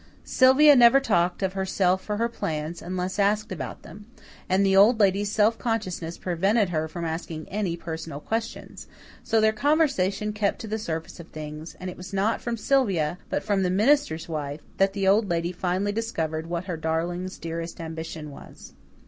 Sylvia never talked of herself or her plans, unless asked about them; and the Old Lady's self consciousness prevented her from asking any personal questions: so their conversation kept to the surface of things, and it was not from Sylvia, but from the minister's wife that the Old Lady finally discovered what her darling's dearest ambition was.